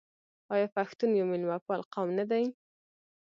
آیا پښتون یو میلمه پال قوم نه دی؟